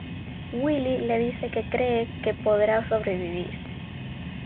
Willie le dice que cree que podrá sobrevivir.